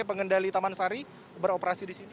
pengendali taman sari beroperasi di sini